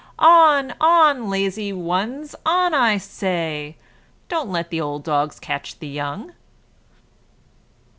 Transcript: hoo o o! On! on! lazy ones, on, I say! don't let the old dogs catch the young!"